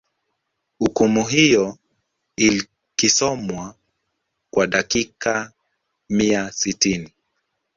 hukumu hiyo ilkisomwa kwa dakika mia sitini